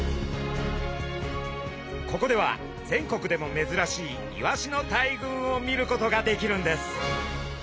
ここでは全国でもめずらしいイワシの大群を見ることができるんです。